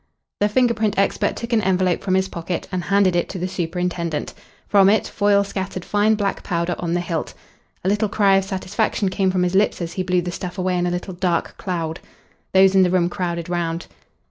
The finger print expert took an envelope from his pocket and handed it to the superintendent. From it Foyle scattered fine black powder on the hilt. A little cry of satisfaction came from his lips as he blew the stuff away in a little dark cloud. Those in the room crowded around.